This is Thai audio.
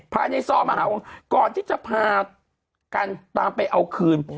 ภายในซอมหาวงก่อนที่จะพากันตามไปเอาคืน